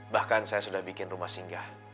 bahkan saya sudah bikin rumah singgah